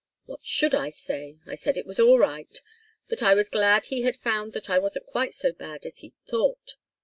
"What should I say? I said it was all right. That I was glad he had found that I wasn't quite so bad as he'd thought.